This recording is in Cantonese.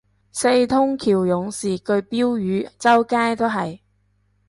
四通橋勇士句標語周街都係